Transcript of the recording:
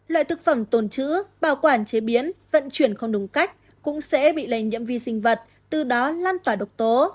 loại thực phẩm tồn chữ bảo quản chế biến vận chuyển không đúng cách cũng sẽ bị lây nhiễm vi sinh vật từ đó lan tỏa độc tố